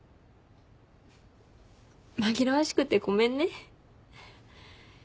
紛らわしくてごめんね。